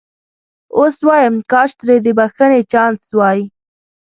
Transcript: اوس وایم کاش ترې د بخښنې چانس وای.